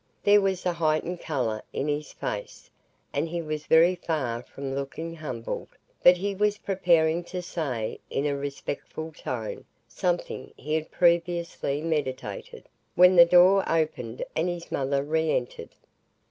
There was a heightened colour in his face, and he was very far from looking humbled, but he was preparing to say, in a respectful tone, something he had previously meditated, when the door opened and his mother re entered.